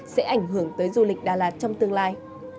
sẽ ảnh hưởng tới du lịch đà lạt trong tương lai